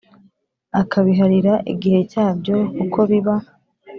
akabiharira igihe cyabyo kuko biba